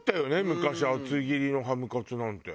昔厚切りのハムカツなんて。